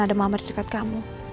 ada mama di dekat kamu